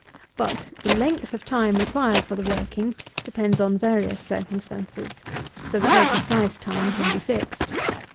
But, the length of time required for the working depends on various circumstances; so that no precise time can be fixed.